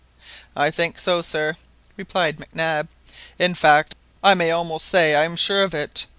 "I think so, sir," replied Mac Nab; "in fact, I may almost say I am sure of it.